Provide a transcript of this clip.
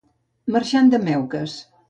Marxant de meuques.